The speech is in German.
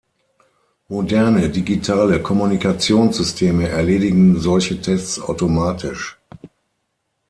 Moderne digitale Kommunikationssysteme erledigen solche Tests automatisch.